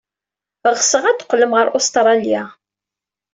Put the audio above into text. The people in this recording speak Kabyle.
Ɣseɣ ad teqqlem ɣer Ustṛalya.